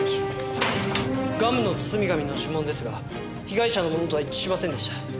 ガムの包み紙の指紋ですが被害者のものとは一致しませんでした。